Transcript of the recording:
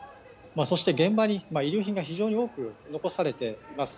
そして、現場に遺留品が非常に多く残されています。